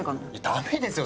ダメですよ